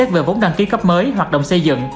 vốn đăng ký cấp mới hoạt động xây dựng